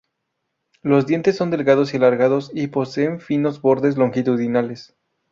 Los dientes son delgados y alargados y poseen finos bordes longitudinales.